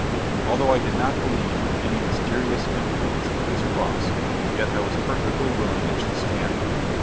Although I did not believe in any mysterious influence of this cross, yet I was perfectly willing it should stand there.